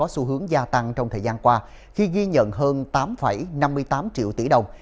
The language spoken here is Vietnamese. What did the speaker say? xu hướng gia tăng trong thời gian qua khi ghi nhận hơn tám năm mươi tám triệu tỷ đồng